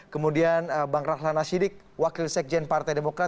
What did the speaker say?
kemudian bang rahlana sidik wakil sekjen partai demokrat